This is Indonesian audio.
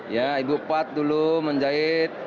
ya ibu pad dulu menjahit